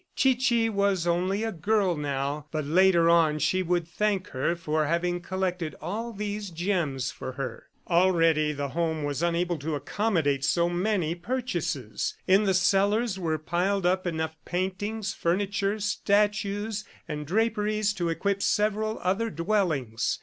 Chichi was only a girl now, but later on she would thank her for having collected all these gems for her. Already the home was unable to accommodate so many purchases. In the cellars were piled up enough paintings, furniture, statues, and draperies to equip several other dwellings.